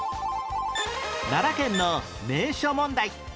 奈良県の名所問題